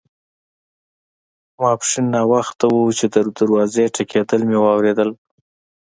ماپښین ناوخته وو چې د دروازې ټکېدل مې واوریدل.